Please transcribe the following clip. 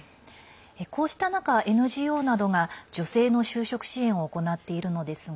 こうした中、ＮＧＯなどが女性の就職支援を行っているのですが